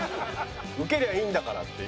ウケりゃいいんだからっていう。